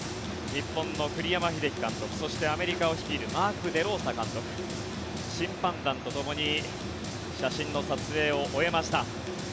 日本の栗山英樹監督そして、アメリカを率いるマーク・デローサ監督審判団とともに写真撮影を終えました。